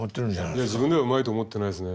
いや自分ではうまいと思ってないですね。